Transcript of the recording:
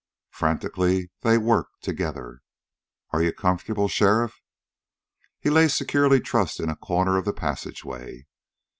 Frantically they worked together. "Are you comfortable, sheriff?" He lay securely trussed in a corner of the passageway.